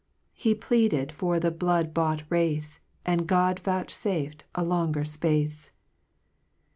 He pleaded for the blood bought race, And God vouchfaf'd a longer fpacc